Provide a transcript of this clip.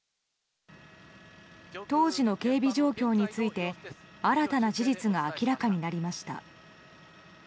当時の警備状況について新たな事実が明らかになりました。